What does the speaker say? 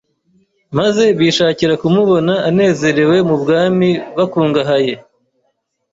maze bishakira kumubona anezerewe mu bwami bukungahaye,